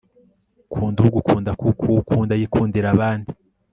kunda ugukunda kuko uwo ukunda yikundira abandi